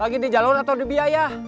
lagi di jalur atau di biaya